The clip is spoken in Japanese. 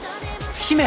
姫！